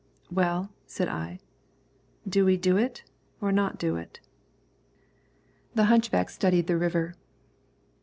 "Well," said I, "do we do it, or not do it?" The hunchback studied the river.